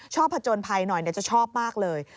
ผจญภัยหน่อยจะชอบมากเลย